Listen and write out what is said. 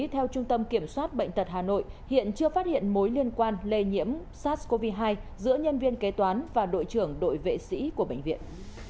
theo trung tâm kiểm soát bệnh tật hà nội hiện chưa phát hiện mối liên quan lây nhiễm sars cov hai giữa nhân viên kế toán và đội trưởng đội vệ sĩ của bệnh viện